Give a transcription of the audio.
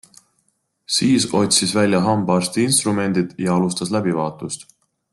Siis otsis välja hambaarsti instrumendid ja alustas läbivaatust.